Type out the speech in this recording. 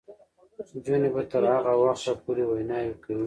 نجونې به تر هغه وخته پورې ویناوې کوي.